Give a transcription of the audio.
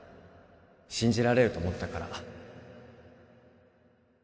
信じられると思ったから